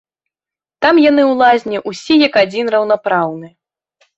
Там яны ў лазні ўсе як адзін раўнапраўны.